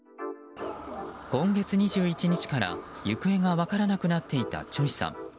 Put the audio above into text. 今月２１日から行方が分からなくなっていたチョイさん。